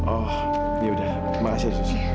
oh yaudah terima kasih adi susi